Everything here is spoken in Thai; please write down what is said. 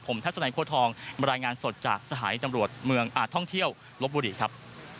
ผมทัศนัยโค้ทองบรรยายงานสดจากสถานีตำรวจเมืองท่องเที่ยวลบบุรีครับ